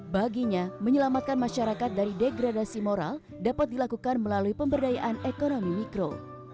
baginya menyelamatkan masyarakat dari degradasi moral dapat dilakukan melalui pemberdayaan ekonomi mikro